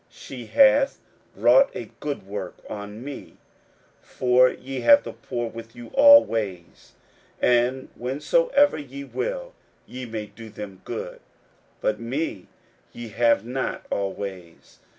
she hath wrought a good work on me. 41:014:007 For ye have the poor with you always, and whensoever ye will ye may do them good: but me ye have not always.